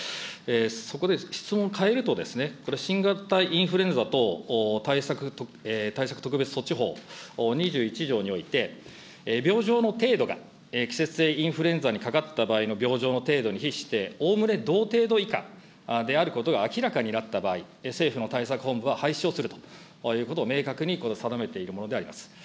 そこで質問を変えると、これ、新型インフルエンザ等対策特別措置法２１条において、病状の程度が季節性インフルエンザにかかった場合の病状の程度に比して、おおむね同程度以下であることが明らかになった場合、政府の対策本部は廃止をするということを明確に定めているものであります。